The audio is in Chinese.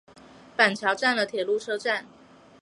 板桥站的铁路车站。